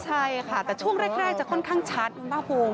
ใช่ค่ะแต่ช่วงแรกจะค่อนข้างชัดคุณภาคภูมิ